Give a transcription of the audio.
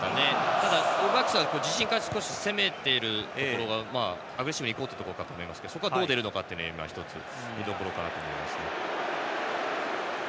ただオールブラックスは自陣から攻めているところでアグレッシブにいこうというところだと思いますがそこがどう出るのかが見どころかなと思います。